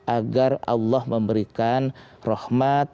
agar allah memberikan rahmat